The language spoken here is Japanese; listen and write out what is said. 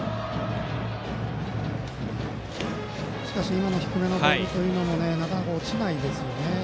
今の低めのボールなかなか落ちないですよね。